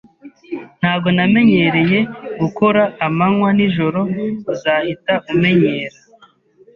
"Ntabwo namenyereye gukora amanywa n'ijoro." "Uzahita umenyera."